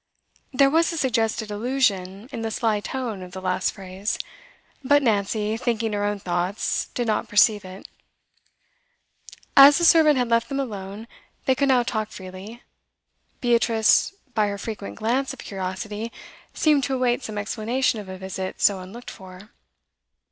There was a suggested allusion in the sly tone of the last phrase; but Nancy, thinking her own thoughts, did not perceive it. As the servant had left them alone, they could now talk freely. Beatrice, by her frequent glance of curiosity, seemed to await some explanation of a visit so unlooked for.